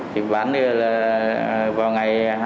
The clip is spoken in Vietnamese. thì bán được là vào ngày hai mươi chín